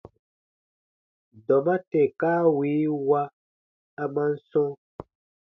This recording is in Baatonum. Dɔma tè kaa wii wa, a man sɔ̃: